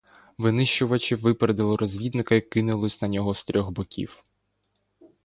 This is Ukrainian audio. Винищувачі випередили розвідника й кинулись на нього з трьох боків.